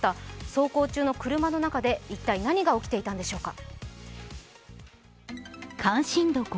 走行中の車の中で一体何が起きていたんでしょうか。